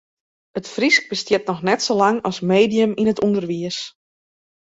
It Frysk bestiet noch net sa lang as medium yn it ûnderwiis.